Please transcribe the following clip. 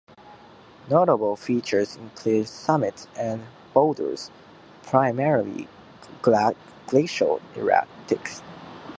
Notable features include summits and boulders (primarily glacial erratics).